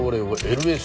ＬＳ。